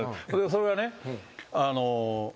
それがね。